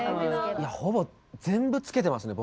ほぼ全部つけてますね